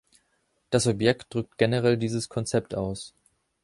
Das Objekt drückt generell dieses Konzept aus.